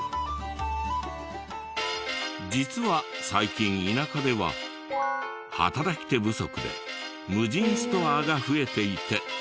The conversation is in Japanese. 実は最近田舎では働き手不足で無人ストアが増えていて。